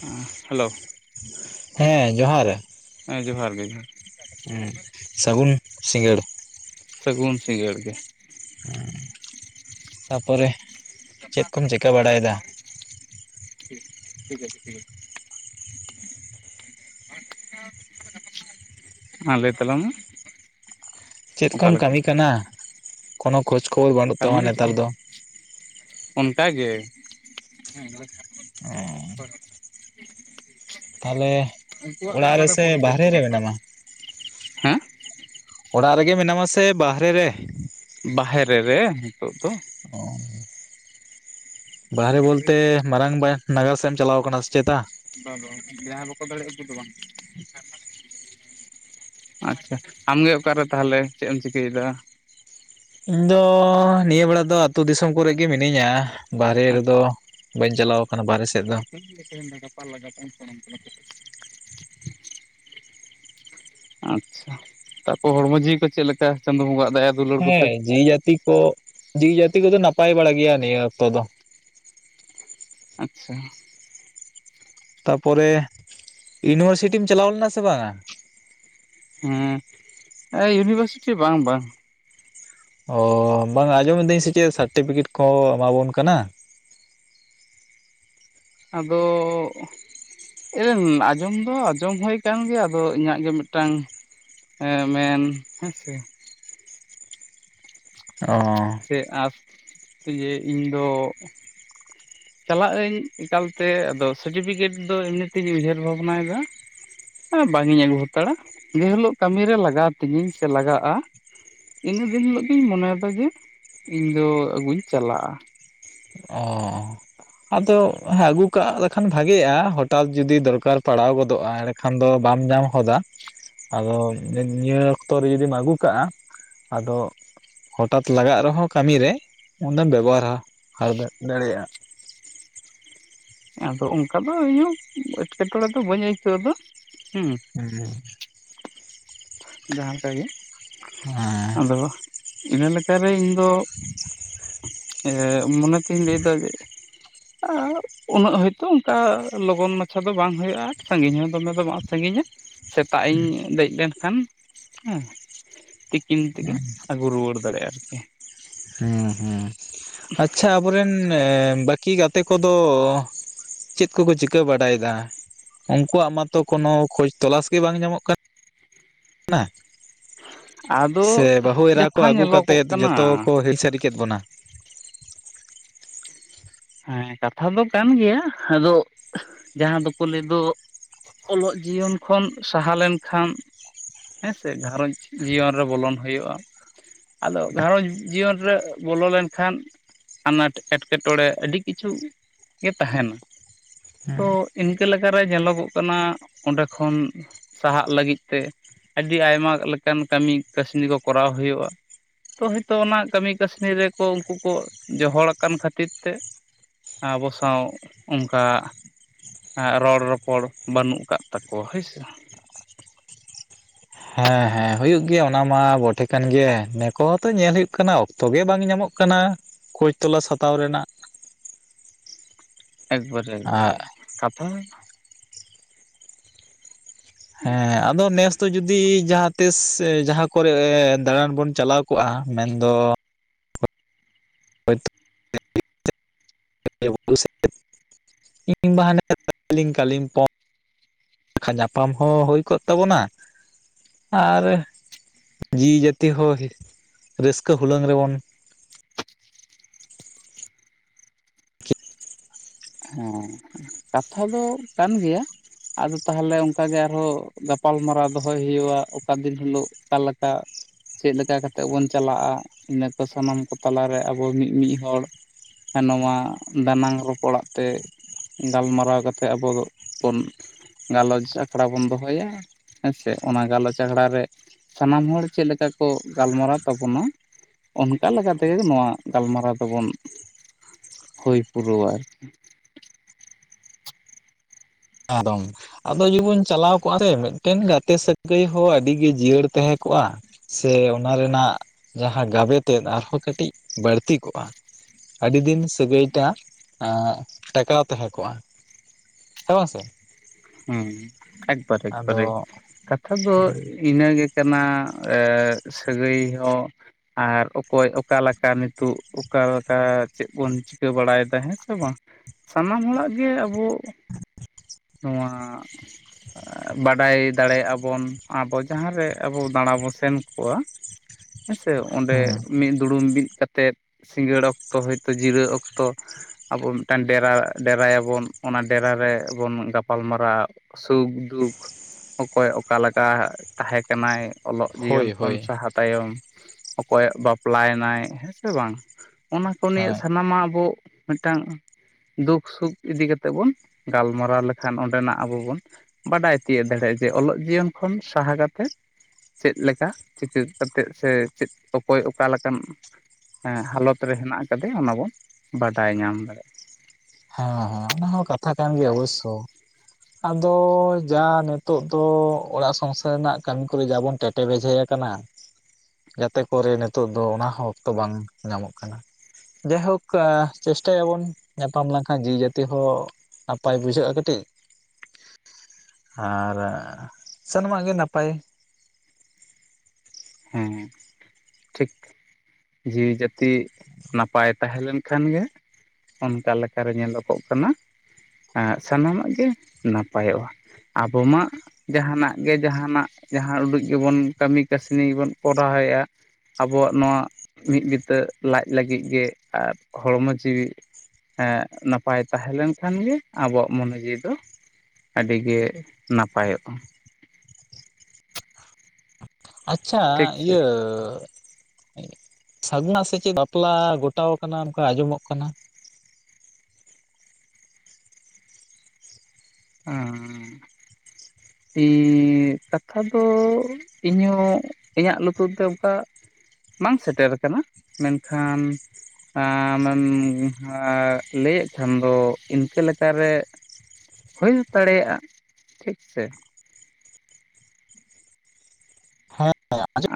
ᱦᱮᱸ ᱾ ᱦᱮᱞᱳ! ᱦᱮᱸ, ᱡᱚᱦᱟᱨ ᱾ ᱦᱮᱸ ᱡᱚᱦᱟᱨ, ᱜᱮ ᱡᱚᱦᱟᱨ? ᱦᱩᱸ ᱥᱟᱹᱜᱩᱱ ᱥᱤᱸᱜᱟᱹᱲ ᱾ ᱥᱟᱹᱜᱩᱱ ᱥᱤᱸᱜᱟᱹᱲ ᱜᱮ ᱾ ᱦᱮᱸ, ᱛᱟᱨᱯᱚᱨᱮ [unintelligible] ᱴᱷᱤᱠ ᱴᱷᱤᱠ, ᱟᱪᱪᱷᱮ ᱴᱷᱤᱠ ᱟᱪᱪᱷᱮ ᱾ [unintelligible] ᱦᱮᱸ, ᱞᱟᱹᱭ ᱛᱟᱞᱟᱝ ᱢᱮ? ᱪᱮᱫ ᱠᱚᱢ ᱚᱠᱟᱞᱮᱠᱟ ᱠᱟᱹᱢᱤ ᱠᱟᱱᱟ? ᱠᱚ-ᱱᱚ ᱠᱷᱳᱡᱽ ᱠᱷᱽᱚᱵᱚᱨ ᱵᱟᱹᱱᱩᱜ ᱛᱟᱢᱟ, ᱱᱮᱛᱟᱨ ᱫᱚ? ᱚᱱᱠᱟ ᱜᱮ ᱾ ᱮᱸ᱾ ᱛᱟᱦᱚᱞᱮ, ᱚᱲᱟᱜ ᱨᱮ ᱥᱮ ᱵᱟᱦᱨᱮ ᱨᱮ ᱢᱮᱱᱟᱢᱟ? ᱦᱮᱸ ᱚᱲᱟᱜ ᱨᱮᱜᱮ ᱢᱮᱱᱟᱢᱟ᱾ ᱥᱮ ᱵᱟᱦᱨᱮ ᱨᱮ? ᱵᱟᱦᱮᱨᱮ ᱨᱮ ᱱᱤᱛᱚ-ᱜ ᱫᱚ ᱾ ᱚᱸ ᱾ ᱵᱟᱦᱨᱮ ᱵᱚᱞᱛᱮ, ᱢᱟᱨᱟᱝ ᱱᱟᱜᱟᱨ ᱥᱮᱫ ᱮᱢ ᱪᱟᱞᱟ-ᱣ ᱟᱠᱟᱱᱟ, ᱥᱮ ᱪᱮᱛᱟ? ᱵᱟᱝ, ᱵᱟᱝ ᱡᱟᱦᱟᱸᱭ ᱵᱟ-ᱠᱚ ᱫᱟᱲᱮᱭᱼᱟ᱾ ᱩᱱᱠᱩ ᱫᱚ ᱵᱟᱝ ᱾ ᱟᱪᱪᱷᱟ, ᱟᱢ ᱜᱮ ᱚᱠᱟᱨᱮ ᱛᱟᱦᱚᱞᱮ ᱪᱮᱫ ᱮᱢ ᱪᱤᱠᱟᱹᱭᱮᱫᱟ? ᱤᱧ ᱫᱚ ᱱᱤᱭᱟᱹ ᱵᱮᱲᱟ ᱫᱚ, ᱟᱹᱛᱩ ᱫᱤᱥᱚᱢ ᱠᱚᱨᱮ ᱜᱮ ᱢᱤᱱᱟᱹᱧᱟ᱾ ᱵᱟᱦᱨᱮ ᱨᱮᱫᱚ ᱵᱟᱹᱧ ᱪᱟᱞᱟᱣ ᱟᱠᱟᱱᱟ᱾ ᱵᱟᱦᱨᱮ ᱥᱮᱫ ᱫᱚ ᱾ ᱛᱮᱦᱮᱧ ᱜᱟᱯᱟ [unintelligible] ᱛᱟᱯᱚᱨ ᱦᱚᱲᱢᱚ ᱡᱤᱣᱤ ᱠᱚ ᱪᱮᱫ ᱞᱮᱠᱟ᱾ ᱪᱟᱸᱫᱚ ᱵᱚᱸᱜᱟ ᱦᱟᱸᱜ ᱫᱟᱭᱟ ᱛᱮ? ᱦᱮᱸ, ᱡᱤᱣᱤ ᱡᱟᱹᱛᱤ ᱠᱚ, ᱡᱤᱣᱤ ᱡᱟᱹᱛᱤ ᱠᱚᱼᱫᱚ ᱱᱟᱯᱟᱭ ᱵᱟᱲᱟ ᱜᱮᱭᱟ ᱾ ᱱᱤᱭᱟᱹ ᱚᱠᱛᱚ ᱫᱚ ᱾ ᱟᱪᱪᱷᱟ ᱾ ᱛᱟᱯᱚᱨᱮ ᱤᱭᱩᱱᱤᱵᱷᱟᱨᱥᱤᱴᱤᱢ ᱪᱟᱞᱟᱣ ᱞᱮᱱᱟ ᱥᱮ ᱵᱟᱝᱼᱟ? ᱦᱮᱸ, ᱤᱭᱩᱱᱤᱵᱷᱟᱨᱥᱤᱴᱤ ᱵᱟᱝ, ᱵᱟᱝ ᱾ ᱚ, ᱵᱟᱝᱼ ᱟ ᱟᱸᱡᱚᱢᱤᱫᱟᱹᱧ ᱥᱮ ᱪᱮᱫ ᱥᱟᱨᱴᱤᱯᱷᱤᱠᱮᱴ ᱠᱚ ᱮᱢᱟᱵᱚᱱ ᱠᱟᱱᱟ ᱾ ᱟᱫᱚ ᱮ ᱟᱸᱡᱚᱢ ᱫᱚ ᱟᱸᱡᱚᱢ ᱦᱩᱭ ᱟᱠᱟᱱ ᱜᱮᱭᱟ᱾ ᱟᱫᱚ ᱤᱧᱟᱹᱜ ᱜᱮ ᱢᱤᱫᱴᱟᱝ ᱡᱮᱸ, ᱢᱮᱱ ᱦᱮᱸ ᱥᱮ ᱾ ᱚᱸ ᱥᱮ ᱟᱨ ᱛᱮᱜᱮ ᱤᱧ ᱫᱚ ᱪᱟᱞᱟᱜ ᱟᱹᱧ ᱮᱠᱟᱞᱛᱮ, ᱟᱫᱚ ᱥᱟᱨᱴᱤᱯᱷᱤᱠᱮᱴ ᱫᱚ ᱤᱱᱟᱛᱤᱧ ᱩᱭᱦᱟᱹᱨ ᱵᱷᱟᱵᱱᱟᱭᱮᱫᱟ᱾ ᱦᱟᱸ ᱵᱟᱝ ᱤᱧ ᱟᱹᱜᱩ ᱦᱟᱛᱟᱲᱟ ᱾ ᱡᱮ ᱦᱮᱞᱳᱜ ᱠᱟᱹᱢᱤᱨᱮ ᱞᱟᱜᱟᱣ-ᱟ᱾ ᱛᱤᱦᱤᱧ ᱥᱮ ᱞᱟᱜᱟᱜᱼᱟ᱾ ᱤᱱᱟᱹ ᱫᱤᱱ ᱦᱤᱞᱳᱜ ᱫᱩᱧ ᱢᱚᱱᱮᱭᱮᱫᱟ᱾ ᱡᱮ ᱤᱧ ᱫᱚ ᱟᱹᱜᱩᱧ ᱪᱟᱞᱟᱜᱼᱟ᱾ ᱚ, ᱟᱫᱚᱸ ᱦᱮᱸ ᱟᱹᱜᱩ ᱠᱟᱜ ᱞᱮᱠᱷᱟᱱ ᱵᱷᱟᱜᱮᱜᱼᱟ ᱦᱚᱴᱟᱛ ᱡᱩᱫᱤ ᱫᱚᱨᱠᱟᱨ ᱯᱟᱲᱟᱣ ᱜᱚᱫᱚᱜᱼᱟ ᱮᱲᱮ, ᱠᱷᱟᱱ ᱫᱚ ᱵᱟᱢ ᱧᱟᱢ ᱦᱚᱫᱟ᱾ ᱟᱫᱚ ᱱᱤ ᱱᱤᱭᱟᱹ ᱚᱠᱛᱚᱨᱮ ᱡᱩᱫᱤᱢ ᱟᱹᱜᱩ ᱠᱟᱜᱼᱟ ᱟᱫᱚ, ᱦᱚᱴᱟᱛ ᱞᱟᱜᱟᱜ ᱨᱮᱦᱚᱸ ᱠᱟᱹᱢᱤ ᱨᱮ ᱩᱱᱫᱚᱢ ᱵᱮᱵᱚᱦᱟᱨᱟ [unintelligible] ᱫᱟᱲᱮᱭᱟᱜᱼᱟ᱾ ᱟᱫᱚ ᱚᱝᱠᱟ ᱫᱚ ᱤᱧ ᱦᱚᱸ ᱮᱴᱠᱮᱴᱚᱬᱮ ᱫᱚ ᱵᱟᱹᱧ ᱟᱹᱭᱠᱟᱹᱣ ᱫᱟ ᱦᱚᱸ᱾ [unintelligible] ᱡᱟᱦᱟᱸ ᱞᱮᱠᱟ ᱜᱮ, ᱦᱚᱸ ᱟᱫᱚ ᱤᱱᱟᱹ ᱞᱮᱠᱟᱨᱮ ᱤᱧ ᱫᱚ ᱮᱸᱜ ᱢᱚᱱᱮ ᱛᱤᱧ ᱞᱮᱭᱫᱟ ᱡᱮ, [inaudible] ᱟᱸ ᱩᱱᱟᱹᱜ ᱦᱚᱭᱛᱳ ᱚᱝᱠᱟ ᱞᱚᱜᱚᱱ ᱢᱟᱪᱷᱟ ᱫᱚ ᱵᱟᱝ ᱦᱳᱭᱳᱜᱼᱟ ᱥᱟᱺᱜᱤᱧ ᱦᱚᱸ ᱫᱚᱢᱮ ᱫᱚ ᱵᱟᱝ ᱥᱟᱺᱜᱤᱧᱟ᱾ ᱥᱮᱛᱟᱜ ᱤᱧ ᱫᱮᱜ ᱞᱮᱱᱠᱷᱟᱱ ᱦᱮᱸ ᱴᱤᱠ, ᱠᱤᱱ ᱛᱤᱜᱤ ᱟᱹᱜᱩ ᱨᱩᱣᱟᱹᱲ ᱫᱟᱲᱮᱭᱟᱜᱼᱟ ᱟᱨᱠᱤ᱾ ᱦᱮᱸ ᱦᱮᱸ ᱟᱪᱪᱷᱟ ᱟᱵᱚᱨᱮᱱ ᱵᱟᱹᱠᱤ ᱜᱟᱛᱮ ᱠᱚᱫᱚ, ᱪᱮᱫ ᱠᱚᱠᱚ ᱪᱤᱠᱟᱹ ᱵᱟᱲᱟᱭᱮᱫᱟ ᱩᱝᱠᱩᱣᱟᱜ ᱢᱟᱛᱚ ᱠᱳᱱᱳ ᱠᱷᱚᱡᱽ ᱛᱚᱞᱟᱥ ᱜᱮ ᱵᱟᱝ ᱧᱟᱢᱚᱜ ᱠᱟ ᱱᱟ᱾ ᱥᱮ ᱟᱫᱚ ᱵᱟᱹᱦᱩ ᱮᱨᱟ ᱠᱚ ᱡᱟᱦᱟᱸ ᱟᱹᱜᱩ ᱧᱮᱞᱚᱜᱚᱜ ᱠᱟᱛᱮᱫ ᱡᱚᱛᱚ ᱠᱟᱱᱟ ᱠᱚ ᱦᱤᱨᱤ ᱥᱟᱹᱨᱤ ᱠᱮᱫ ᱵᱚᱱᱟ᱾ ᱦᱮᱸ ᱠᱟᱛᱷᱟ ᱫᱚ ᱠᱟᱱ ᱜᱮᱭᱟ ᱟᱫᱚ ᱡᱟᱦᱟᱸ ᱫᱚᱠᱚ ᱞᱟᱹᱭ ᱫᱚ, ᱚᱞᱚᱜ ᱡᱤᱭᱚᱱ ᱠᱷᱚᱱ ᱥᱟᱦᱟ ᱞᱮᱱᱠᱷᱟᱱ, ᱦᱮᱸ ᱥᱮ ᱜᱷᱟᱨᱚᱸᱡᱽ ᱡᱤᱭᱚᱱ ᱨᱮ ᱵᱚᱞᱚᱱ ᱦᱩᱭᱩᱜᱼᱟ᱾ ᱟᱫᱚ ᱜᱷᱟᱨᱚᱸᱡᱽ ᱡᱤᱭᱚᱱ ᱨᱮ ᱵᱚᱞᱚ ᱞᱮᱱᱠᱷᱟᱱ, ᱟᱱᱟᱴ ᱮᱴᱠᱮᱴᱚᱬᱮ ᱟᱹᱰᱤ ᱠᱤᱪᱷᱩ ᱜᱮ ᱛᱟᱦᱮᱱᱟ᱾ ᱛᱚ ᱤᱱᱠᱟᱹ ᱞᱮᱠᱟᱨᱮ ᱧᱮᱞᱚᱜᱚᱜ ᱠᱟᱱᱟ ᱚᱸᱰᱮ ᱠᱷᱚᱱ ᱥᱟᱦᱟᱜ ᱞᱟᱹᱜᱤᱫ ᱛᱮ᱾ ᱟᱹᱰᱤ ᱟᱭᱢᱟ ᱞᱮᱠᱟᱱ ᱠᱟᱹᱢᱤ ᱠᱟᱹᱥᱱᱤ ᱠᱚ ᱠᱚᱨᱟᱣ ᱦᱩᱭᱩᱜᱼᱟ᱾ ᱛᱚ ᱦᱳᱭᱛᱳ ᱚᱱᱟ ᱠᱟᱹᱢᱤ ᱠᱟᱹᱥᱱᱤ ᱨᱮᱠᱚ ᱩᱝᱠᱩ ᱠᱚ ᱡᱚᱦᱚᱲ ᱟᱠᱟᱱ ᱠᱷᱟᱹᱛᱤᱨ ᱛᱮ, ᱟᱵᱚ ᱥᱟᱶ ᱚᱝᱠᱟ, ᱮᱸ ᱨᱚᱲ ᱨᱚᱯᱚᱲ ᱵᱟᱹᱱᱩᱜ ᱠᱟᱜ ᱛᱟᱠᱚᱣᱟ ᱦᱳᱭᱥᱮ᱾ ᱦᱮᱸ ᱦᱮᱸ ᱦᱩᱭᱩᱜ ᱜᱮᱭᱟ ᱚᱱᱟ ᱢᱟ ᱵᱚᱴᱷᱮ ᱠᱟᱱ ᱜᱮᱭᱟ ᱱᱮ ᱠᱚᱦᱚᱸ ᱛᱚ ᱧᱮᱞ ᱦᱩᱭᱩᱜ ᱠᱟᱱᱟ ᱚᱠᱛᱚ ᱜᱮ ᱵᱟᱝ ᱧᱟᱢᱚᱜ ᱠᱟᱱᱟ᱾ ᱠᱷᱳᱭ ᱛᱚᱞᱟᱥ ᱦᱟᱛᱟᱣ ᱨᱮᱱᱟᱜ, ᱮᱠᱵᱟᱨᱮ ᱟᱜ ᱮᱠᱵᱟᱨᱮ ᱠᱟᱛᱷᱟ ᱢᱟ ᱦᱮᱸ ᱟᱫᱚ ᱱᱮᱥ, ᱛᱚ ᱡᱩᱫᱤ ᱡᱟᱦᱟᱸᱛᱤᱥ ᱡᱟᱦᱟᱸ ᱠᱚᱨᱮ ᱫᱟᱬᱟᱱ ᱵᱚᱱ ᱪᱟᱞᱟᱣ ᱠᱚᱜᱼᱟ ᱢᱮᱱᱫᱚ, ᱦᱚᱭᱛᱚ [unintelligible] [unintelligible] ᱠᱤᱝᱵᱟ ᱦᱟᱱᱮ [unintelligible] ᱠᱟᱞᱤᱝ ᱯᱚᱝ, ᱵᱟᱠᱷᱟᱱ ᱧᱟᱯᱟᱢ ᱠᱚ ᱦᱚᱸ ᱦᱳᱭ ᱠᱚᱜ ᱛᱟᱵᱚᱱᱟ᱾ ᱟᱨ ᱡᱤᱣᱤ ᱡᱟᱹᱛᱤ ᱦᱚᱸ ᱨᱟᱹᱥᱠᱟᱹ ᱦᱩᱞᱟᱹᱝ ᱨᱮᱵᱚᱱ, ᱦᱚᱸ ᱠᱟᱛᱷᱟ ᱫᱚ ᱠᱟᱱ ᱜᱮᱭᱟ᱾ ᱟᱫᱚ ᱛᱟᱦᱚᱞᱮ ᱚᱝᱠᱟ ᱜᱮ ᱟᱨᱦᱚᱸ ᱜᱟᱯᱟᱞ ᱢᱟᱨᱟᱣ ᱫᱚᱦᱚᱭ ᱦᱳᱭᱳᱜᱼᱟ ᱚᱠᱟ ᱫᱤᱱ ᱦᱤᱞᱳᱜ, ᱚᱠᱟ ᱞᱮᱠᱟ᱾ ᱪᱮᱫ ᱞᱮᱠᱟ ᱠᱟᱛᱮᱜ ᱵᱚᱱ ᱪᱟᱞᱟᱜᱼᱟ ᱤᱱᱟᱹ ᱠᱚ ᱥᱟᱱᱟᱢ ᱠᱚ ᱛᱟᱞᱟᱨᱮ ᱟᱵᱚ ᱢᱤᱜ ᱢᱤᱜ ᱦᱚᱲ, ᱦᱮᱸ ᱱᱚᱣᱟ ᱫᱟᱱᱟᱝ ᱨᱚᱯᱚᱲᱟᱜ᱾ ᱛᱮ ᱜᱟᱞᱢᱟᱨᱟᱣ ᱠᱟᱛᱮᱜ ᱟᱵᱚ ᱫᱚ ᱵᱚᱱ, ᱜᱟᱞᱚᱪ ᱟᱠᱷᱲᱟ ᱵᱚᱱ ᱫᱚᱦᱚᱭᱟ ᱦᱮᱸ ᱥᱮ ᱚᱱᱟ ᱜᱟᱞᱚᱪ ᱟᱠᱷᱲᱟ ᱨᱮ, ᱥᱟᱱᱟᱢ ᱦᱚᱲ ᱪᱮᱫ ᱞᱮᱠᱟ ᱠᱚ ᱜᱟᱞᱢᱟᱨᱟᱣ ᱛᱟᱵᱚᱱᱟ᱾ ᱚᱱᱠᱟ ᱞᱮᱠᱟ ᱛᱮᱜᱮ ᱱᱚᱣᱟ ᱜᱟᱞᱢᱟᱨᱟᱣ ᱫᱚᱵᱚᱱ ᱦᱩᱭ ᱯᱩᱨᱟᱹᱣᱟ ᱟᱨᱠᱤ। ᱮᱠᱫᱚᱢ। ᱟᱫᱚ ᱡᱩᱫᱤ ᱵᱚᱱ ᱪᱟᱞᱟᱣ ᱠᱚᱜᱼᱟ ᱥᱮ ᱢᱤᱫᱴᱮᱱ ᱜᱟᱛᱮ ᱥᱟᱹᱜᱟᱹᱭ ᱦᱚᱸ ᱟᱹᱰᱤᱜᱮ ᱡᱤᱭᱟᱹᱲ ᱛᱟᱦᱮᱸ ᱠᱚᱜᱼᱟ। ᱥᱮ ᱚᱱᱟ ᱨᱮᱱᱟᱜ ᱡᱟᱦᱟᱸ ᱜᱟᱵᱮᱛᱮᱫ ᱟᱨᱦᱚᱸ ᱠᱟᱹᱴᱤᱡ ᱵᱟᱹᱲᱛᱤ ᱠᱚᱜᱼᱟ। ᱟᱹᱰᱤ ᱫᱤᱱ ᱥᱟᱹᱜᱟᱹᱭ ᱴᱟᱜ ᱮᱸᱜ ᱴᱮᱠᱟᱣ ᱛᱟᱦᱮᱸ ᱠᱚᱜᱼᱟ। ᱦᱮᱸᱵᱟᱝ ᱥᱮ। ᱦᱩᱸ ᱮᱠᱵᱟᱨᱮ ᱟᱫᱚ ᱮᱠᱵᱟᱨᱮ ᱠᱟᱛᱷᱟ ᱫᱚᱼᱼ ᱵᱷᱤᱱᱟᱹ ᱜᱮ ᱠᱟᱱᱟ ᱮᱜᱻ ᱥᱟᱹᱜᱟᱹᱭ ᱦᱚᱸ। ᱟᱨ ᱚᱠᱚᱭ ᱚᱠᱟ ᱞᱮᱠᱟ ᱱᱤᱛᱚᱜ ᱚᱠᱟ ᱞᱮᱠᱟ ᱪᱮᱫ ᱵᱚᱱ ᱪᱤᱠᱟᱹ ᱵᱟᱲᱟᱭᱮᱫᱟ ᱦᱮᱸ ᱥᱮ ᱵᱟᱝ। ᱥᱟᱱᱟᱢ ᱦᱚᱲᱟᱜ ᱜᱮ ᱟᱵᱚᱼᱼ ᱱᱚᱣᱟ ᱵᱟᱰᱟᱭ ᱫᱟᱲᱮᱭᱟᱜᱼᱟ ᱵᱚᱱ ᱟᱵᱚ ᱡᱟᱦᱟᱸᱨᱮ ᱟᱵᱚ ᱫᱟᱲᱟ ᱵᱚᱱ ᱥᱮᱱ ᱠᱚᱜ ᱟ [inaudible] ᱦᱮᱸᱥᱮ ᱚᱸᱰᱮ ᱦᱮᱸ ᱢᱤᱫ ᱫᱩᱲᱩᱢ ᱢᱤᱫ ᱠᱟᱛᱮᱜ ᱥᱤᱸᱜᱟᱹᱲ ᱚᱠᱛᱚ ᱦᱚᱭᱛᱚ ᱡᱤᱨᱟᱹᱜ ᱚᱠᱛᱚ ᱟᱵᱚ ᱢᱤᱫᱴᱟᱝ ᱰᱮᱨᱟ ᱰᱮᱨᱟᱭᱟᱵᱚᱱ ᱚᱱᱟ ᱰᱮᱨᱟ ᱨᱮ ᱵᱚᱱ ᱜᱟᱯᱼᱼ ᱜᱟᱞᱢᱟᱨᱟᱣ ᱥᱩᱠᱼᱫᱩᱠ ᱚᱠᱚᱭ ᱚᱠᱟᱞᱮᱠᱟ ᱛᱟᱦᱮᱸ ᱠᱟᱱᱟᱭ ᱚᱞᱚᱜ ᱦᱳᱭ ᱡᱤᱭᱚᱱ ᱠᱷᱚᱱ ᱦᱳᱭ ᱥᱟᱦᱟ ᱛᱟᱭᱚᱢ ᱚᱠᱚᱭᱟᱜ ᱵᱟᱯᱞᱟᱭᱮᱱᱟᱭ ᱦᱮᱸ ᱥᱮ ᱵᱟᱝ ᱚᱱᱟ ᱠᱚ ᱦᱳᱭ ᱱᱤᱭᱟᱹ ᱦᱮᱸ ᱥᱟᱱᱟᱢᱟᱜ ᱟᱵᱚ ᱢᱤᱫᱴᱟᱝ ᱫᱩᱠ ᱥᱩᱠᱷ ᱤᱫᱤ ᱠᱟᱛᱮᱜ ᱵᱚᱱ ᱜᱟᱞᱢᱟᱨᱟᱣ ᱞᱮᱠ ᱠᱷᱟᱱ ᱚᱸᱰᱮᱱᱟᱜ ᱟᱵᱚ ᱵᱚᱱ ᱵᱟᱰᱟᱭ ᱛᱤᱭᱳᱜ ᱫᱟᱲᱮᱭᱟᱜᱼᱟ ᱡᱮ ᱚᱞᱚᱜ ᱡᱤᱭᱚᱱ ᱠᱷᱚᱱ ᱥᱟᱦᱟ ᱠᱟᱛᱮᱫ ᱪᱮᱫ ᱞᱮᱠᱟ ᱪᱤᱠᱟᱹ ᱠᱟᱛᱮᱫ ᱥᱮ ᱪᱮᱫ ᱚᱠᱚᱭ ᱚᱠᱟ ᱞᱮᱠᱟᱱ ᱦᱮᱸ ᱦᱟᱞᱚᱛ ᱨᱮ ᱦᱮᱱᱟᱜ ᱟᱠᱟᱫᱮᱭᱟ ᱚᱱᱟ ᱵᱚᱱ ᱵᱟᱰᱟᱭ ᱧᱟᱢ ᱫᱟᱲᱮᱭᱟᱜᱼᱟ। ᱦᱮᱸ ᱦᱮᱸ ᱚᱱᱟ ᱦᱚᱸ ᱠᱟᱛᱷᱟ ᱠᱟᱱ ᱜᱮᱭᱟ ᱚᱵᱚᱥᱥᱚ। ᱟᱫᱚ ᱡᱟ ᱱᱤᱛᱚᱜ ᱫᱚ ᱚᱲᱟᱜ ᱥᱚᱝᱥᱟᱨ ᱨᱮᱱᱟᱜ ᱠᱟᱹᱢᱤ ᱠᱚᱨᱮ ᱡᱟ ᱵᱚᱱ ᱴᱮᱴᱮᱵᱷᱡᱮ ᱟᱠᱟᱱᱟ ᱡᱟᱛᱮ ᱠᱚᱨᱮ ᱱᱤᱛᱳᱜ ᱫᱚ ᱚᱱᱟᱦᱚᱸ ᱚᱠᱛᱚ ᱵᱟᱝ ᱧᱟᱢᱚᱜ ᱠᱟᱱᱟ। ᱡᱟᱭᱦᱳᱠ ᱮ ᱪᱮᱥᱴᱟᱭᱟᱵᱚᱱ ᱧᱟᱯᱟᱢ ᱞᱮᱱᱠᱷᱟᱱ ᱡᱤᱣᱤ ᱡᱟᱹᱛᱤ ᱦᱚᱸ ᱱᱟᱯᱟᱭ ᱵᱩᱡᱷᱟᱹᱜᱼᱟ ᱠᱟᱹᱴᱤᱡ। ᱟᱨ ᱮᱻ ᱥᱟᱱᱟᱢᱟᱜ ᱜᱮ ᱱᱟᱯᱟᱭ। ᱦᱩᱸ ᱴᱷᱤᱠ। ᱡᱤᱣᱤ ᱡᱟᱹᱛᱤ ᱱᱟᱯᱟᱭ ᱛᱟᱦᱮᱸ ᱞᱮᱱᱠᱷᱟᱱ ᱜᱮ ᱚᱱᱠᱟ ᱞᱮᱠᱟᱨᱮ ᱧᱮᱞᱚᱜᱚᱜ ᱠᱟᱱᱟ ᱮ ᱥᱟᱱᱟᱢᱟᱜ ᱜᱮ ᱱᱟᱯᱟᱭᱚᱜᱼᱟ। ᱟᱵᱚ ᱢᱟ ᱡᱟᱦᱟᱱᱟᱜ ᱜᱮ ᱡᱟᱦᱟᱱᱟᱜ ᱡᱟᱦᱟᱸ ᱩᱰᱩᱡ ᱜᱮᱵᱚᱱ ᱠᱟᱹᱢᱤ ᱠᱟᱹᱥᱼᱼ ᱩᱱᱤ ᱜᱮ ᱵᱚᱱ ᱯᱚᱨᱦᱟᱣ ᱮᱭᱟ ᱟᱵᱚᱣᱟᱜ ᱱᱚᱣᱟ ᱢᱤᱫ ᱵᱤᱛᱟᱹ ᱞᱟᱡ ᱞᱟᱹᱜᱤᱫ ᱜᱮ ᱟᱨ ᱦᱚᱲᱢᱚ ᱡᱤᱣᱤᱼᱼ ᱮᱸᱜ ᱱᱟᱯᱟᱭ ᱛᱟᱦᱮᱸ ᱞᱮᱱᱠᱷᱟᱱ ᱜᱮ ᱟᱵᱚᱣᱟᱜ ᱢᱚᱱᱮ ᱡᱤᱣᱤ ᱫᱚᱼᱼ ᱟᱹᱰᱤ ᱜᱮ ᱱᱟᱯᱟᱭᱚᱜᱼᱟ। ᱟᱪᱪᱷᱟ ᱴᱷᱤᱠ ᱥᱮ ᱤᱭᱟᱹᱻ ᱥᱟᱜᱩᱱᱟᱜ ᱥᱮᱪᱮᱫ ᱵᱟᱯᱞᱟ ᱜᱚᱴᱟᱣ ᱟᱠᱟᱱᱟ ᱚᱱᱠᱟ ᱟᱸᱡᱚᱢᱚᱜ ᱠᱟᱱᱟ [unintelligible] ᱮᱸᱜᱻ ᱠᱟᱛᱷᱟ ᱫᱚ ᱤᱧᱦᱚᱸ ᱤᱧᱟᱜ ᱞᱩᱛᱩᱨ ᱛᱮ ᱚᱱᱠᱟ ᱵᱟᱝ ᱥᱮᱴᱮᱨ ᱟᱠᱟᱱᱟ ᱢᱮᱱᱠᱷᱟᱱ ᱮᱸ ᱟᱢᱮᱢ ᱮ ᱞᱟᱹᱭᱮᱫ ᱠᱷᱟᱱ ᱫᱚ ᱤᱱᱠᱟᱹ ᱞᱮᱠᱟᱨᱮᱼᱼ ᱦᱳᱭ ᱫᱟᱲᱮᱭᱟᱜᱼᱟ ᱴᱷᱤᱠ ᱥᱮ।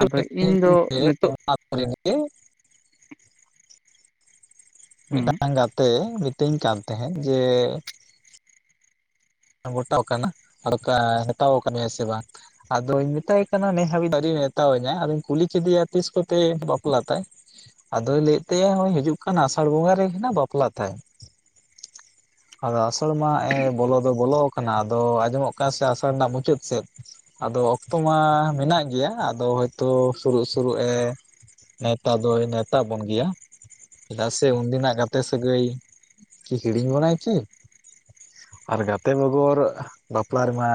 ᱟᱫᱚ ᱤᱧ ᱫᱚ ᱱᱤᱛᱚᱜ ᱦᱩᱸ ᱢᱤᱫᱴᱟᱝ ᱜᱟᱛᱮ ᱢᱤᱛᱟᱹᱧ ᱠᱟᱱ ᱛᱟᱦᱮᱸᱫ ᱡᱮᱻ ᱜᱚᱴᱟ ᱠᱟᱱᱟ ᱟᱨ ᱢᱮᱛᱟᱣ ᱟᱠᱟᱫ ᱢᱮᱭᱟ ᱥᱮ ᱵᱟᱝ ᱾ ᱟᱫᱚᱧ ᱢᱮᱛᱟᱭ ᱠᱟᱱᱟ ᱱᱮ ᱦᱟᱹᱵᱤᱡ ᱟᱣᱨᱤ ᱢᱮᱛᱟᱣᱟᱹᱧᱟ ᱟᱫᱚᱧ ᱠᱩᱞᱤ ᱠᱮᱫᱮᱭᱟ ᱛᱤᱥ ᱠᱚᱛᱮ ᱵᱟᱯᱞᱟ ᱛᱟᱭ ᱾ ᱟᱫᱚᱭ ᱞᱟᱹᱭᱮᱫ ᱛᱟᱭᱟ ᱱᱚᱜ ᱚᱭ ᱦᱤᱡᱩᱜ ᱠᱟᱱ ᱟᱥᱟᱲ ᱵᱚᱸᱜᱟ ᱨᱮᱜᱮ ᱦᱟᱜ ᱵᱟᱯᱞᱟ ᱛᱟᱭ ᱾ ᱟᱫᱚ ᱟᱥᱟᱲ ᱢᱟ ᱮᱸ ᱵᱚᱞᱚ ᱫᱚ ᱵᱚᱞᱚ ᱟᱠᱟᱱᱟ ᱟᱫᱚ ᱟᱸᱡᱚᱢᱚᱜ ᱠᱟᱱᱟ ᱥᱮ ᱟᱥᱟᱲ ᱨᱮᱱᱟᱜ ᱢᱩᱪᱟᱹᱫ ᱥᱮᱫ ᱾ ᱟᱫᱚ ᱚᱠᱛᱚ ᱢᱟ ᱢᱮᱱᱟᱜ ᱜᱮᱭᱟ ᱟᱫᱚ ᱦᱚᱭᱛᱚ ᱥᱩᱨᱩᱜ ᱥᱩᱨᱩᱜ ᱮ ᱱᱮᱣᱛᱟ ᱫᱚᱭ ᱱᱮᱣᱛᱟ ᱵᱚᱱ ᱜᱮᱭᱟ ᱾ ᱪᱮᱫᱟᱜ ᱥᱮ ᱩᱱᱫᱤᱱᱟᱜ ᱜᱟᱛᱮ ᱥᱟᱹᱜᱟᱹᱭ ᱠᱤ ᱦᱤᱲᱤᱧ ᱵᱚᱱᱟᱭ ᱠᱤ, [unintelligible] ᱜᱟᱛᱮ ᱵᱮᱜᱚᱨ ᱵᱟᱯᱞᱟ ᱨᱮᱢᱟ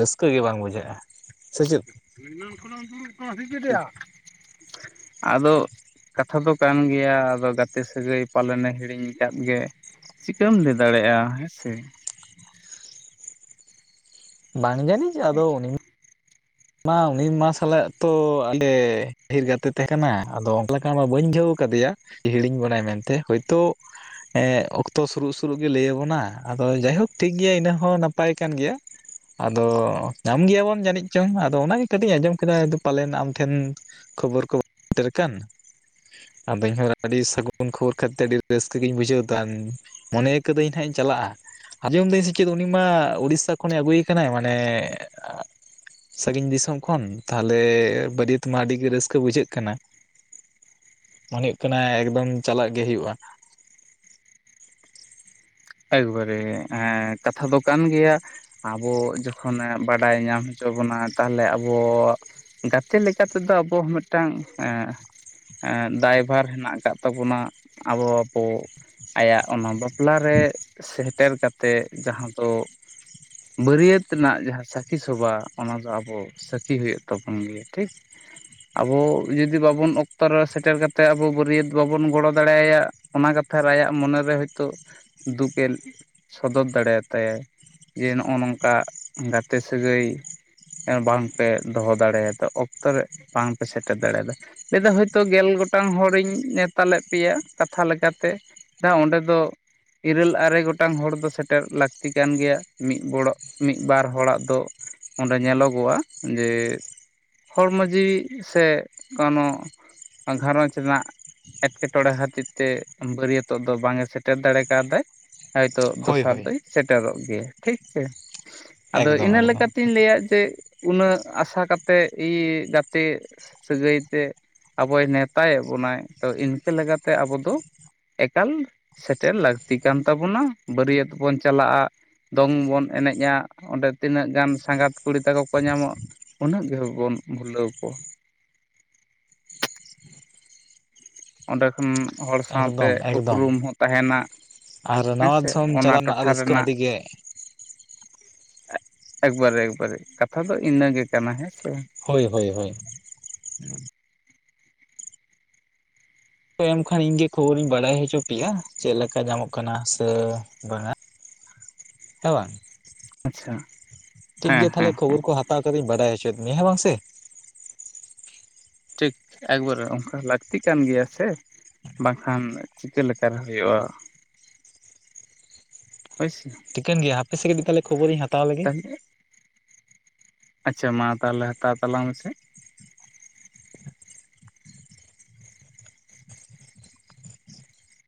ᱨᱟᱹᱥᱠᱟᱹ ᱜᱮ ᱵᱟᱝ ᱵᱩᱡᱷᱟᱹᱜᱼᱟ, ᱥᱮᱪᱮᱫ? [unintelligible] ᱟᱫᱚ ᱠᱟᱛᱷᱟ ᱫᱚ ᱠᱟᱱ ᱜᱮᱭᱟ ᱟᱫᱚ ᱜᱟᱛᱮ ᱥᱟᱹᱜᱟᱹᱭ ᱯᱟᱞᱮᱱᱮ ᱦᱤᱲᱤᱧ ᱠᱟᱫ ᱜᱮ ᱾ ᱪᱤᱠᱟᱹᱢ ᱞᱟᱹᱭ ᱫᱟᱲᱮᱭᱟᱜᱼᱟ ᱦᱮᱸ ᱥᱮ, ᱵᱟᱝ ᱡᱟᱹᱱᱤᱡ ᱟᱫᱚ ᱩᱱᱤ ᱢᱟ ᱩᱱᱤ ᱢᱟ ᱥᱟᱞᱟᱜ ᱛᱚ ᱟᱞᱮ ᱰᱷᱮᱨ ᱜᱟᱛᱮ ᱛᱟᱦᱮᱸ ᱠᱟᱱᱟ ᱟᱫᱚ ᱚᱱᱠᱟ ᱞᱮᱠᱟ ᱢᱟ ᱵᱟᱹᱧ ᱵᱩᱡᱷᱟᱹᱣ ᱠᱟᱫᱮᱭᱟ ᱾ ᱦᱤᱲᱤᱧ ᱵᱚᱱᱟᱭ ᱢᱮᱱᱛᱮ ᱦᱳᱭᱛᱳ ᱮᱸ ᱚᱠᱛᱚ ᱥᱩᱨᱩᱜ ᱥᱩᱨᱩᱜ ᱜᱮ ᱞᱟᱹᱭ ᱟᱵᱚᱱᱟ ᱟᱫᱚ ᱡᱟᱭᱦᱳᱠ ᱴᱷᱤᱠ ᱜᱮᱭᱟ ᱤᱱᱟᱹ ᱦᱚᱸ ᱱᱟᱯᱟᱭ ᱠᱟᱱ ᱜᱮᱭᱟ ᱾ ᱟᱫᱚ ᱧᱟᱢ ᱜᱮᱭᱟᱵᱚᱱ ᱡᱟᱹᱱᱤᱡ ᱰᱚᱝ ᱟᱫᱚ ᱚᱱᱟᱜᱮ ᱠᱟᱹᱴᱤᱡ ᱤᱧ ᱟᱸᱡᱚᱢ ᱠᱮᱫᱟ ᱯᱟᱞᱮᱱ ᱟᱢ ᱴᱷᱮᱱ ᱠᱷᱚᱵᱚᱨ ᱠᱚ ᱥᱮᱴᱮᱨ ᱟᱠᱟᱱ ᱾ ᱟᱫᱚ ᱤᱧᱦᱚᱸ ᱟᱹᱰᱤ ᱥᱟᱹᱜᱩᱱ ᱠᱷᱚᱵᱚᱨ ᱠᱟᱛᱮᱸᱫ ᱟᱹᱰᱤ ᱨᱟᱹᱥᱠᱟᱹ ᱜᱤᱧ ᱵᱩᱡᱷᱟᱹᱣ ᱛᱟᱦᱮᱱ ᱢᱚᱱᱮ ᱠᱟᱹᱫᱟᱹᱧ ᱦᱟᱸᱜ ᱤᱧ ᱪᱟᱞᱟᱜᱼᱟ ᱾ ᱟᱸᱡᱚᱢᱫᱟᱹᱧ ᱥᱮ ᱪᱮᱫ ᱩᱱᱤ ᱢᱟ ᱩᱲᱤᱥᱟ ᱠᱷᱚᱱᱮ ᱟᱹᱜᱩᱭᱮ ᱠᱟᱱᱟᱭ ᱢᱟᱱᱮ ᱥᱟᱺᱜᱤᱧ ᱫᱤᱥᱚᱢ ᱠᱷᱚᱱ ᱛᱟᱦᱞᱮ ᱵᱟᱹᱨᱭᱟᱹᱛ ᱢᱟ ᱟᱹᱰᱤ ᱜᱮ ᱨᱟᱹᱥᱠᱟᱹ ᱵᱩᱡᱷᱟᱹᱜ ᱠᱟᱱᱟ ᱾ ᱢᱚᱱ ᱦᱩᱭᱩᱜ ᱠᱟᱱᱟ ᱮᱠᱫᱚᱢ ᱪᱟᱞᱟᱜ ᱜᱮ ᱦᱩᱭᱩᱜᱼᱟ ᱾ ᱮᱠᱵᱟᱨᱮ ᱦᱮᱸ ᱠᱟᱛᱷᱟ ᱫᱚ ᱠᱟᱱ ᱜᱮᱭᱟ ᱾ ᱟᱵᱚ ᱡᱚᱠᱷᱚᱱᱮ ᱵᱟᱰᱟᱭ ᱧᱟᱢ ᱦᱚᱪᱚ ᱵᱚᱱᱟ ᱛᱟᱦᱚᱞᱮ ᱟᱵᱚ ᱜᱟᱛᱮ ᱞᱮᱠᱟ ᱛᱮᱫᱚ ᱟᱵᱚ ᱢᱤᱫᱴᱟᱝ ᱮᱸ ᱫᱟᱭᱵᱷᱟᱨ ᱦᱮᱱᱟᱜ ᱟᱠᱟᱫ ᱛᱟᱵᱚᱱᱟ ᱟᱵᱚ ᱠᱚ ᱟᱭᱟᱜ ᱚᱱᱟ ᱵᱟᱯᱞᱟ ᱨᱮ ᱥᱮᱴᱮᱨ ᱠᱟᱛᱮᱸᱫ ᱡᱟᱦᱟᱸ ᱫᱚ ᱵᱟᱹᱨᱭᱟᱹᱛ ᱨᱮᱱᱟᱜ ᱡᱟᱦᱟᱸ ᱥᱟᱹᱠᱷᱤ ᱥᱚᱵᱷᱟ ᱚᱱᱟ ᱫᱚ ᱟᱵᱚ ᱥᱟᱹᱠᱷᱤ ᱦᱩᱭᱩᱜ ᱛᱟᱵᱚᱱ ᱜᱮᱭᱟ ᱴᱷᱤᱠ, ᱟᱵᱚ ᱡᱩᱫᱤ ᱵᱟᱵᱚᱱ ᱚᱠᱛᱚ ᱨᱮ ᱥᱮᱴᱮᱨ ᱠᱟᱛᱮᱫ ᱟᱵᱚ ᱵᱟᱹᱨᱭᱟᱹᱛ ᱵᱟᱵᱚᱱ ᱜᱚᱲᱚ ᱫᱟᱲᱮᱭᱟᱭᱟ, ᱚᱱᱟ ᱠᱟᱛᱷᱟ ᱟᱭᱟᱜ ᱢᱚᱱᱮᱨᱮ ᱦᱳᱭᱛᱳ, ᱫᱩᱠ ᱮᱱ ᱥᱚᱫᱚᱨ ᱫᱟᱲᱮᱭᱟᱛᱟᱭᱟᱭ ᱡᱮ ᱱᱚᱜᱼᱚᱭ ᱱᱚᱝᱠᱟ ᱜᱟᱛᱮ ᱥᱟᱹᱜᱟᱹᱭ ᱵᱟᱝᱯᱮ ᱫᱚᱦᱚ ᱫᱟᱲᱮᱭᱟᱫᱟ ᱚᱠᱛᱚ ᱨᱮ ᱵᱟᱝᱯᱮ ᱥᱮᱴᱮᱨ ᱫᱟᱲᱮᱭᱟᱫᱟ ᱾ ᱞᱟᱹᱭᱫᱟ ᱦᱳᱭᱛᱚ ᱜᱮᱞ ᱜᱚᱴᱟᱝ ᱦᱚᱲᱤᱧ ᱱᱮᱶᱛᱟ ᱞᱮᱫ ᱯᱮᱭᱟ ᱠᱟᱛᱷᱟ ᱞᱮᱠᱟᱛᱮ ᱾ ᱫᱟᱜ ᱚᱸᱰᱮ ᱫᱚ ᱤᱨᱟᱹᱞ ᱟᱨᱮ ᱜᱚᱴᱟᱝ ᱦᱚᱲ ᱫᱚ ᱥᱮᱴᱮᱨ ᱞᱟᱹᱠᱛᱤ ᱠᱟᱱ ᱜᱮᱭᱟ ᱢᱤᱫ ᱵᱚᱲ ᱢᱤᱫ ᱵᱟᱨ ᱦᱚᱲᱟᱜ ᱫᱚ ᱚᱸᱰᱮ ᱧᱮᱞᱚᱜᱚᱜᱼᱟ ᱡᱮ ᱦᱚᱲᱢᱚ ᱡᱤᱣᱤ ᱥᱮ ᱠᱟᱱᱳ ᱜᱷᱟᱨᱚᱸᱡᱽ ᱨᱮᱱᱟᱜ ᱮᱴᱠᱮᱴᱚᱬᱮ ᱠᱷᱟᱹᱛᱤᱨ ᱛᱮ ᱵᱟᱹᱨᱭᱟᱹᱛᱚᱜ ᱫᱚ ᱵᱟᱝ ᱮ ᱥᱮᱴᱮᱨ ᱫᱟᱲᱮ ᱠᱟᱱᱛᱮᱭ ᱦᱚᱭᱛᱚ ᱦᱳᱭ ᱫᱚᱥᱟᱨ ᱦᱳᱭ ᱫᱚᱭ ᱥᱮᱴᱮᱨᱚᱜ ᱜᱮᱭᱟ ᱴᱷᱤᱠ᱾ ᱮᱸ ᱟᱫᱚ ᱮᱠᱫᱚᱢ ᱤᱱᱟᱹ ᱮᱠᱫᱚᱢ ᱞᱮᱠᱟᱛᱮᱧ ᱞᱟᱹᱭᱟ ᱡᱮ ᱛᱮᱜ ᱩᱱᱟᱹᱜ ᱟᱥᱟ ᱠᱟᱛᱮᱜ ᱤ ᱜᱟᱛᱮ ᱥᱟᱹᱜᱟᱹᱭ ᱛᱮ ᱟᱵᱚᱭ ᱱᱮᱣᱛᱟᱭᱮᱫ ᱵᱚᱱᱟᱭ ᱛᱚ ᱤᱱᱠᱟᱹ ᱞᱮᱠᱟᱛᱮ ᱟᱵᱚ ᱫᱚ ᱮᱠᱟᱞ ᱥᱮᱴᱮᱨ ᱞᱟᱹᱠᱛᱤ ᱠᱟᱱ ᱛᱟᱵᱚᱱᱟ ᱵᱟᱹᱨᱭᱟᱹᱛ ᱵᱚᱱ ᱪᱟᱞᱟᱜᱼᱟ, ᱫᱚᱝ ᱵᱚᱱ ᱮᱱᱮᱡᱼᱟ, ᱚᱸᱰᱮ ᱛᱤᱱᱟᱹᱜ ᱜᱟᱱ ᱥᱟᱸᱜᱟᱛ ᱠᱩᱲᱤ ᱛᱟᱠᱚ ᱠᱚ ᱧᱟᱢᱚᱜ ᱩᱱᱟᱹᱜ ᱜᱮ ᱵᱚᱱ ᱵᱷᱩᱞᱟᱹᱣ ᱠᱚᱣᱟ᱾ ᱚᱸᱰᱮ ᱠᱷᱚᱱ ᱦᱚᱲ ᱥᱟᱶᱛᱮ ᱮᱠᱫᱚᱢ ᱮᱠᱫᱚᱢ ᱩᱯᱨᱩᱢ ᱦᱚᱸ ᱛᱟᱦᱮᱸᱱᱟ᱾ ᱟᱨ ᱦᱮᱸ ᱱᱟᱣᱟ ᱥᱮ, ᱫᱤᱥᱚᱢ ᱚᱱᱟ ᱪᱟᱞᱟᱣ ᱴᱚᱴᱷᱟ ᱨᱟᱹᱥᱠᱟᱹ ᱨᱮᱱᱟᱜ, ᱟᱹᱰᱤ ᱜᱮ ᱮᱠᱵᱟᱨᱮ ᱮᱠᱵᱟᱨᱮ, ᱠᱟᱛᱷᱟ ᱫᱚ ᱤᱱᱟᱹ ᱜᱮ ᱠᱟᱱᱟ ᱦᱮᱸ ᱥᱮ ᱵᱟᱝ? ᱦᱳᱭ ᱦᱳᱭ ᱦᱳᱭ, ᱦᱩᱸ᱾ ᱠᱚ ᱮᱢ ᱠᱷᱟᱱ ᱤᱧ ᱜᱮ ᱠᱷᱚᱵᱚᱨᱤᱧ ᱵᱟᱲᱟᱭ ᱦᱚᱪᱚ ᱯᱮᱭᱟ, ᱪᱮᱫ ᱞᱮᱠᱟ ᱧᱟᱢᱚᱜ ᱠᱟᱱᱟ ᱥᱮ ᱵᱟᱝᱟ᱾ ᱦᱮᱸ ᱵᱟᱝ? ᱟᱪᱪᱷᱟ ᱴᱷᱤᱠ ᱦᱮᱸ ᱜᱮᱭᱟ ᱛᱟᱦᱚᱞᱮ ᱦᱮᱸ ᱠᱷᱚᱵᱚᱨ ᱦᱮᱸ ᱠᱚ ᱦᱟᱛᱟᱣ ᱠᱟᱛᱮᱧ ᱵᱟᱰᱟᱭ ᱦᱚᱪᱚᱭᱫ ᱢᱮᱭᱟ ᱦᱮᱸ ᱵᱟᱝ ᱥᱮ, ᱴᱷᱤᱠ, ᱮᱠᱵᱟᱨᱮ ᱚᱝᱠᱟ ᱞᱟᱠᱛᱤᱜ ᱠᱟᱱ ᱜᱮᱭᱟ ᱥᱮ, ᱵᱟᱝᱠᱷᱟᱱ ᱪᱤᱠᱟᱹ ᱞᱮᱠᱟᱨᱮ ᱦᱩᱭᱩᱜᱼᱟ᱾ ᱦᱳᱭᱥᱮ ᱴᱷᱤᱠᱟᱹᱱ ᱜᱮᱭᱟ ᱦᱟᱯᱮ ᱥᱮ ᱠᱟᱹᱴᱤᱡ ᱛᱟᱦᱚᱞᱮ ᱠᱷᱚᱵᱚᱨᱤᱧ ᱦᱟᱛᱟᱣ ᱞᱮᱜᱮ᱾ ᱛᱟᱦᱚᱞᱮ ᱟᱪᱪᱷᱟ ᱢᱟ ᱛᱟᱦᱚᱞᱮ ᱦᱟᱛᱟᱣ ᱛᱟᱞᱟᱝ ᱢᱮᱥᱮ᱾